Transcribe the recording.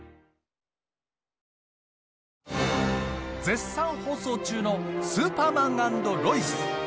絶賛放送中の「スーパーマン＆ロイス」。